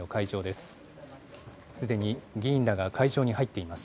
すでに議員らが会場に入っています。